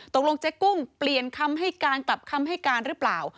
เจ๊กุ้งเปลี่ยนคำให้การกลับคำให้การหรือเปล่า